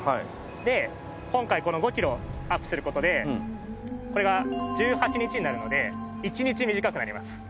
で今回この５キロアップする事でこれが１８日になるので１日短くなります。